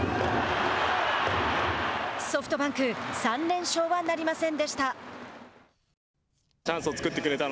ソフトバンク３連勝はなりませんでした。